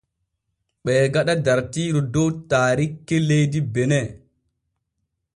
Ɓee gaɗa dartiiru dow taarikki leydi Bene.